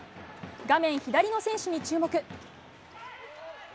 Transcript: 画面左の選手に注目。